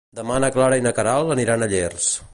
Demà na Clara i na Queralt aniran a Llers.